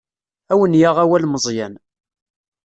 Ad wen-yaɣ awal Meẓyan.